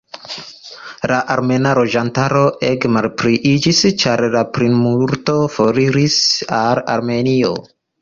La armena loĝantaro ege malpliiĝis ĉar la plimulto foriris al Armenio.